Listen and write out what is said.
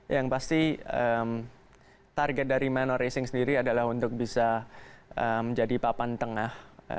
yang pasti target dari manor racing sendiri adalah untuk bisa menjadi papan tengah